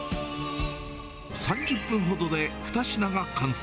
３０分ほどで２品が完成。